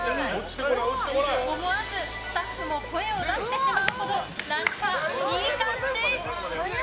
思わず、スタッフも声を出してしまうほど何か、いい感じ！